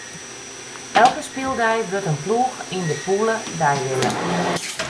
Elke spyldei wurdt in ploech yn de pûle deiwinner.